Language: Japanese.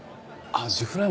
アジフライ。